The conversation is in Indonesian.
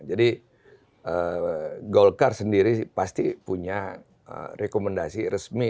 jadi golkar sendiri pasti punya rekomendasi resmi